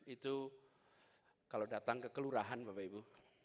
itu kalau datang ke kelurahan bapak ibu